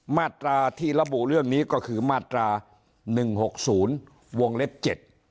มาตราที่ระบุเรื่องนี้ก็คือมาตรา๑๖๐วงเล็ก๗